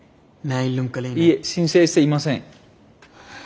いえ申請していません。